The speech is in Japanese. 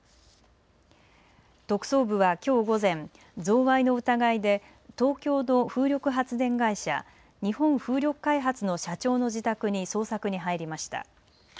特捜部はきょう午前、贈賄の疑いで東京の風力発電会社、日本風力開発の社長の自宅に捜索に入りました。